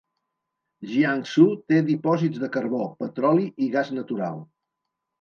Jiangsu té dipòsits de carbó, petroli i gas natural.